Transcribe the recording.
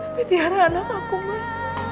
tapi tiara anak aku mas